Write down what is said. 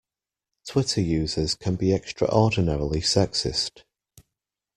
Twitter users can be extraordinarily sexist